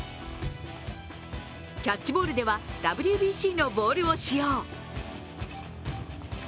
キャッチボールではＷＢＣのボールを使用。